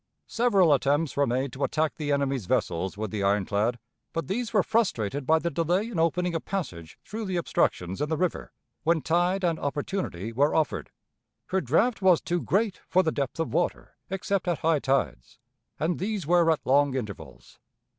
Several attempts were made to attack the enemy's vessels with the ironclad, but these were frustrated by the delay in opening a passage through the obstructions in the river when tide and opportunity were offered. Her draught was too great for the depth of water, except at high tides, and these were at long intervals.